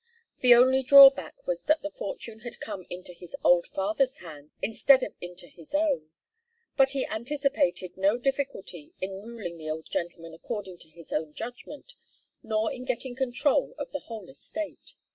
The only drawback was that the fortune had come into his old father's hands instead of into his own, but he anticipated no difficulty in ruling the old gentleman according to his own judgment, nor in getting control of the whole estate.